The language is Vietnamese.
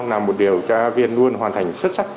là một điều tra viên luôn hoàn thành xuất sắc